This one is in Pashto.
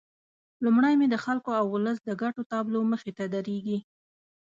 لومړی مې د خلکو او ولس د ګټو تابلو مخې ته درېږي.